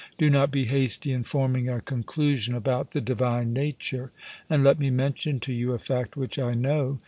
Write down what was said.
Do not be hasty in forming a conclusion about the divine nature; and let me mention to you a fact which I know.